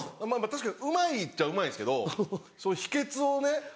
確かにうまいっちゃうまいんですけどその秘訣をね